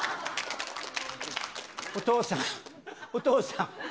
お父さん、お父さん。